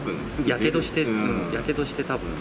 やけどして、やけどしてたぶん。